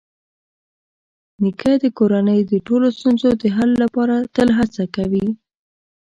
نیکه د کورنۍ د ټولو ستونزو د حل لپاره تل هڅه کوي.